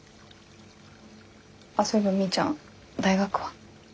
あっそういえばみーちゃん大学は？